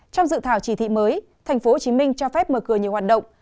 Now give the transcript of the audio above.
trong dự thảo chỉ thị mới tp hcm cho phép mở cửa nhiều hoạt động